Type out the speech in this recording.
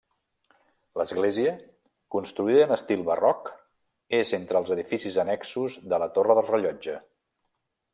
L'església, construïda en estil barroc, és entre els edificis annexos de la Torre del Rellotge.